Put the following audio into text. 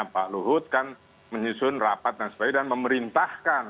pak luhut kan menyusun rapat dan sebagainya dan memerintahkan